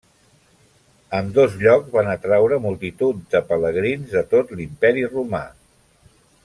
Ambdós llocs van atraure multituds de pelegrins de tot l'Imperi Romà.